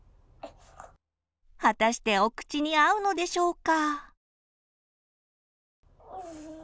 果たしてお口に合うのでしょうか？